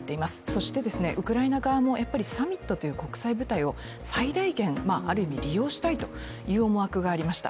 そして、ウクライナ側もやっぱりサミットという国際舞台を最大限ある意味、利用したいという思惑がありました。